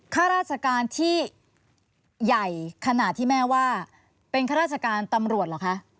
ข้าราชการที่ใหญ่ขนาดที่แม่ว่าเป็นข้าราชการตำรวจเหรอคะ